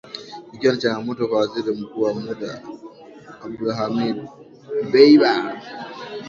Ikiwa ni changamoto kwa Waziri Mkuu wa muda Abdulhamid Dbeibah